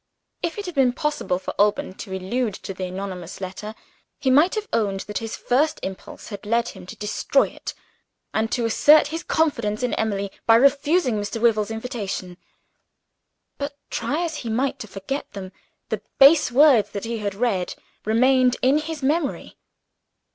If it had been possible for Alban to allude to the anonymous letter, he might have owned that his first impulse had led him to destroy it, and to assert his confidence in Emily by refusing Mr. Wyvil's invitation. But try as he might to forget them, the base words that he had read remained in his memory.